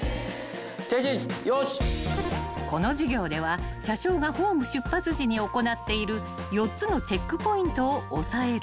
［この授業では車掌がホーム出発時に行っている４つのチェックポイントを押さえる］